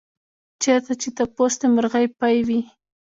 چېرته چې تپوس د مرغۍ پۍ وي.